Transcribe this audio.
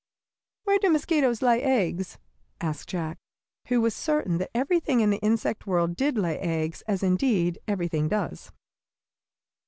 "Where do mosquitoes lay eggs?" asked Jack, who was certain that everything in the insect world did lay eggs, as indeed everything does.